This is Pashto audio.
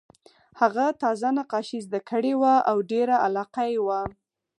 هغه تازه نقاشي زده کړې وه او ډېره علاقه یې وه